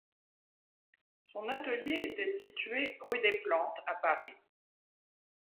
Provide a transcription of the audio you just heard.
Son atelier était situé rue des Plantes à Paris.